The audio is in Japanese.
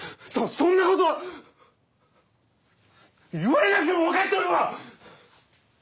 そんなことは言われなくても分かっておるわ！